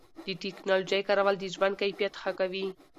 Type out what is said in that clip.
د ټکنالوژۍ کارول د ژوند کیفیت ښه کوي.